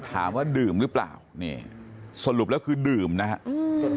ถามว่าดื่มหรือเปล่านี่สรุปแล้วคือดื่มนะฮะอืม